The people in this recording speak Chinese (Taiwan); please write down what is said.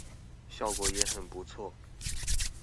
效果也很不錯